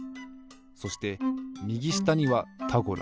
そしてみぎしたには「タゴラ」。